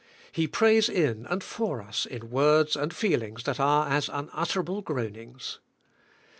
He prays in and for us in words and feeling's that are as unutterable g roaning"s.